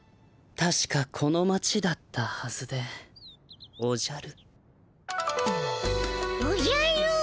たしかこの町だったはずでおじゃる。